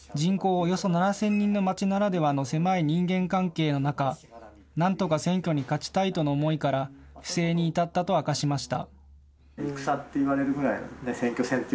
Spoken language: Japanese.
およそ７０００人の町ならではの狭い人間関係の中、なんとか選挙に勝ちたいとの思いから不正に至ったと明かしました。